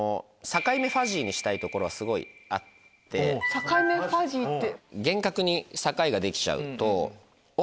境目ファジーって？